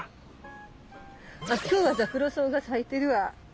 今日はザクロソウが咲いてるわ。